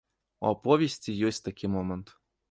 У аповесці ёсць такі момант.